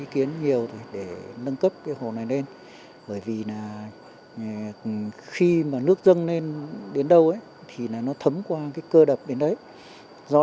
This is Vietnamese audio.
trong cái hồ này bởi vì nếu tích nước cao thì cái dòng thấm của nó rất lớn